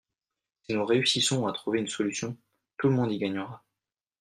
Si nous réussissons à trouver une solution, tout le monde y gagnera.